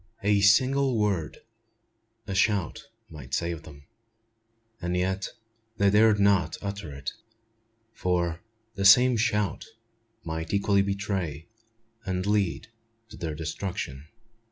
A single word a shout might save them; and yet they dared not utter it; for the same shout might equally betray, and lead to their destruction.